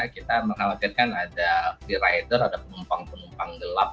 kita mengkhawatirkan ada freerider ada pemumpang pemumpang gelap